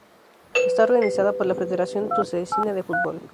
Es organizada por la Federación Tunecina de Fútbol.